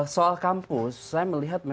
soal kampus saya melihat